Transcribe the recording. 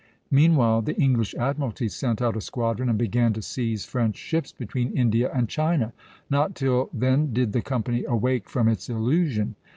Meanwhile the English admiralty sent out a squadron and began to seize French ships between India and China; not till then did the company awake from its illusion.